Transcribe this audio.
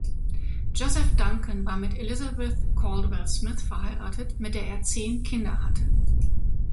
Joseph Duncan war mit Elizabeth Caldwell Smith verheiratet, mit der er zehn Kinder hatte.